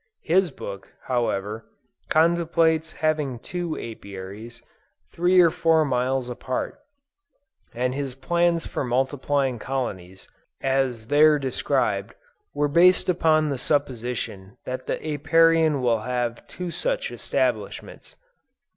His book, however, contemplates having two Apiaries, three or four miles apart, and his plans for multiplying colonies, as there described, were based upon the supposition that the Apiarian will have two such establishments.